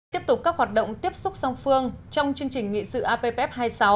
tiếp tục các hoạt động tiếp xúc song phương trong chương trình nghị sự appf hai mươi sáu